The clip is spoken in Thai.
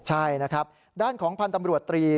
ใช่นะครับด้านของพันธ์ตำรวจตรี